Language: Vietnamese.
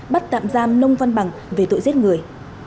bắt tạm giam nông văn bằng về tội giết người